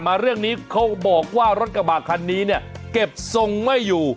เรื่องนี้เขาบอกว่ารถกระบะคันนี้เนี่ยเก็บทรงไม่อยู่